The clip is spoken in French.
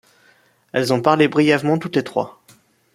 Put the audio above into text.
Elles ont parlé brièvement toutes les trois.